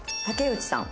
竹内さん。